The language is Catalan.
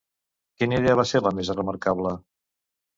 Quina idea va ser la més remarcable?